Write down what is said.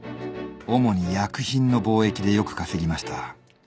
主に薬品の貿易でよく稼ぎました。